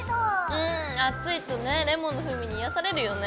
うん暑いとねレモンの風味に癒やされるよね。